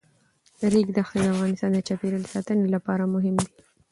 د ریګ دښتې د افغانستان د چاپیریال ساتنې لپاره مهم دي.